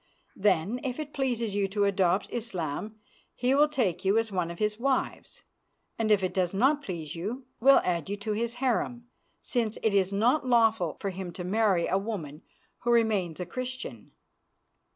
Then, if it pleases you to adopt Islam, he will take you as one of his wives, and if it does not please you, will add you to his harem, since it is not lawful for him to marry a woman who remains a Christian.